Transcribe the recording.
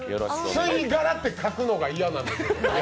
吸殻って書くのが嫌なんです。